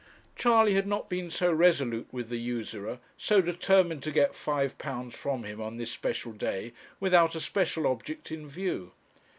Charley had not been so resolute with the usurer, so determined to get £5 from him on this special day, without a special object in view.